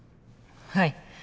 はい。